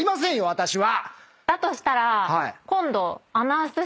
私は！